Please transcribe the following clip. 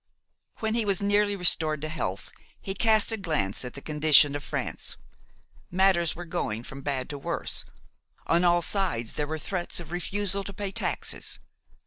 When he was nearly restored to health, he cast a glance at the condition of France. Matters were going from bad to worse; on all sides there were threats of refusal to pay taxes.